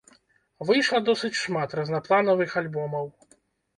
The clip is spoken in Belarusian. Выйшла досыць шмат разнапланавых альбомаў.